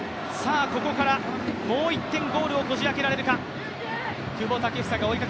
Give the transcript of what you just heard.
ここからもう１点ゴールをこじ開けられるか。